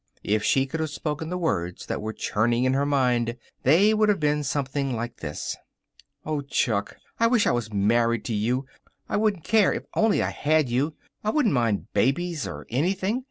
If she could have spoken the words that were churning in her mind, they would have been something like this: "Oh, Chuck, I wish I was married to you. I wouldn't care if only I had you. I wouldn't mind babies or anything.